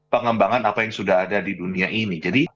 pengembangan apa yang sudah ada di dunia ini jadi